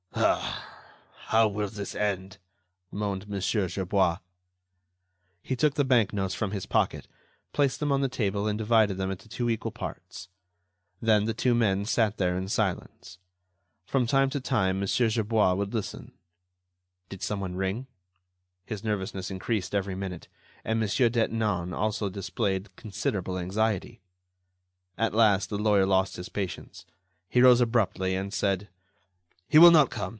"Ah! how will this end?" moaned Mon. Gerbois. He took the bank notes from his pocket, placed them on the table and divided them into two equal parts. Then the two men sat there in silence. From time to time, Mon. Gerbois would listen. Did someone ring?... His nervousness increased every minute, and Monsieur Detinan also displayed considerable anxiety. At last, the lawyer lost his patience. He rose abruptly, and said: "He will not come....